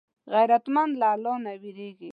غیرتمند له الله نه وېرېږي